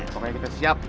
pokoknya kita siap